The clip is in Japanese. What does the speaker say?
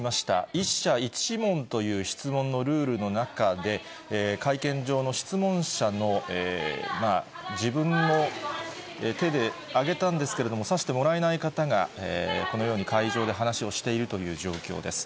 １社１問という質問のルールの中で、会見場の質問者の自分の手で挙げたんですけれども、さしてもらえない方が、このように会場で話をしているという状況です。